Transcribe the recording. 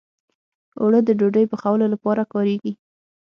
اوړه د ډوډۍ پخولو لپاره کارېږي